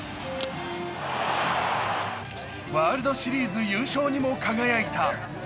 ワールドシリーズ優勝にも輝いた。